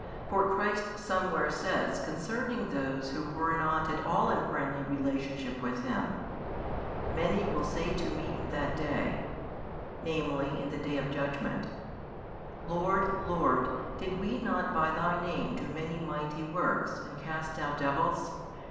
For Christ somewhere says concerning those who were not at all in friendly relationship with Him: Many will say to Me in that day, namely, in the Day of judgment, Lord, Lord, did we not by Thy Name do many mighty works, and cast out devils?